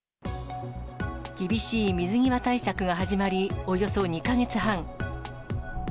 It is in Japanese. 厳しい水際対策が始まり、およそ２か月半。